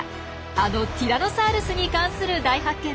あのティラノサウルスに関する大発見です！